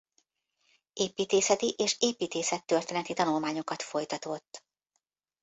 Építészeti és építészettörténeti tanulmányokat folytatott.